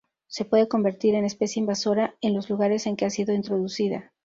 Se puede convertir en especie invasora en los lugares en que ha sido introducida.